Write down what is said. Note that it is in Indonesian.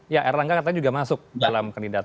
ya erlangga katanya juga masuk dalam kandidat